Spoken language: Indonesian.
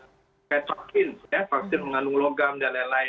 ya paksin mengandung logam dan lain lain